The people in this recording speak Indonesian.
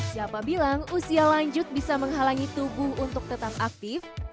siapa bilang usia lanjut bisa menghalangi tubuh untuk tetap aktif